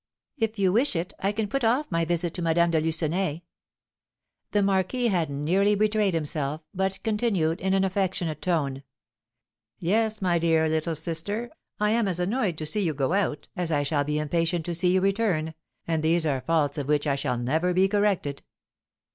"If you wish it, I can put off my visit to Madame de Lucenay." The Marquis had nearly betrayed himself, but continued, in an affectionate tone: "Yes, my dear little sister, I am as annoyed to see you go out, as I shall be impatient to see you return, and these are faults of which I shall never be corrected."